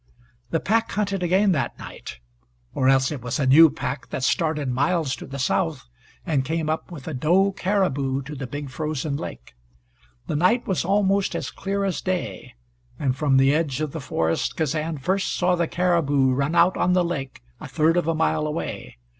The pack hunted again that night, or else it was a new pack that started miles to the south, and came up with a doe caribou to the big frozen lake. The night was almost as clear as day, and from the edge of the forest Kazan first saw the caribou run out on the lake a third of a mile away.